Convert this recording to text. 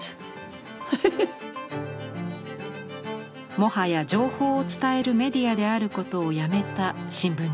もはや情報を伝えるメディアであることをやめた新聞の姿。